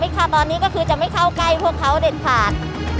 ค่ะตอนนี้ก็คือจะไม่เข้าใกล้พวกเขาเด็ดขาด